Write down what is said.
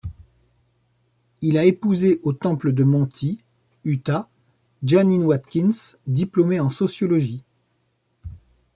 Il a épousé au Temple de Manti, Utah, Jeanene Watkins, diplômée en sociologie.